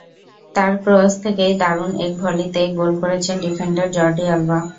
তাঁর ক্রস থেকেই দারুণ এক ভলিতে গোল করেছেন ডিফেন্ডার জর্ডি আলবা।